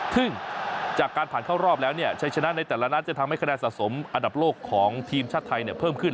ซึ่งจากการผ่านเข้ารอบแล้วเนี่ยชัยชนะในแต่ละนัดจะทำให้คะแนนสะสมอันดับโลกของทีมชาติไทยเพิ่มขึ้น